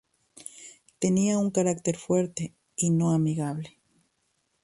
Tenía un carácter fuerte y no amigable.